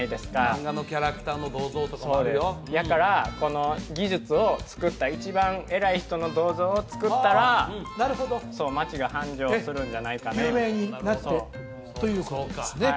漫画のキャラクターの銅像とかもあるよやからこの技術をつくった一番偉い人の銅像をつくったら町が繁盛するんじゃないかな有名になってということですね